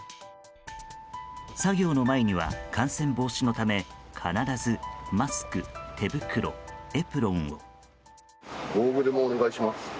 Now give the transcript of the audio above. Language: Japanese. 作業の前には、感染防止のため必ずマスク、手袋、エプロンを。